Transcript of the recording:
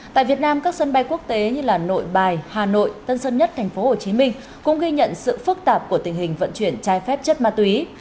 tại việt nam các sân bay quốc tế như nội bài hà nội tân sơn nhất tp hcm cũng ghi nhận sự phức tạp của tình hình vận chuyển trái phép chất ma túy